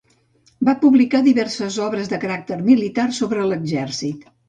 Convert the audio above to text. Va publicar diverses obres de caràcter militar sobre l'exèrcit.